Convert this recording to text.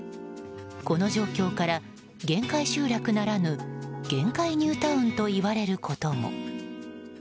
この状況から、限界集落ならぬ限界ニュータウンといわれることも。